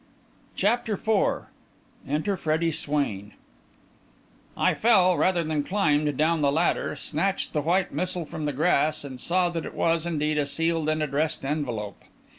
CHAPTER IV ENTER FREDDIE SWAIN I fell, rather than climbed, down the ladder, snatched the white missile from the grass, and saw that it was, indeed, a sealed and addressed envelope.